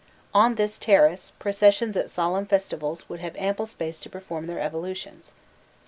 On this terrace, processions at solemn festivals would have ample space to perform their evolutions.